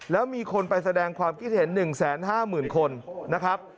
แล้วมีคนไปแสดงความคิดเห็น๑๕๐๐๐คนนะครับ